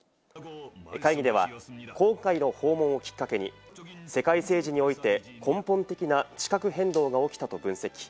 会議では公開の訪問をきっかけに世界政治において根本的な地殻変動が起きたと分析。